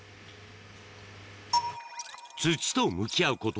土と向き合うこと